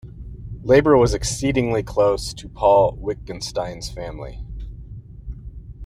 Labor was exceedingly close to Paul Wittgenstein's family.